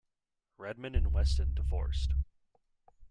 Redmond and Weston divorced.